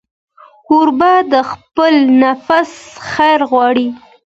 کوربه د خپل نفس خیر غواړي.